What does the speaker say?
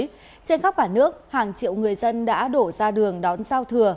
trên khắp cả nước hàng triệu người dân đã đổ ra đường đón giao thừa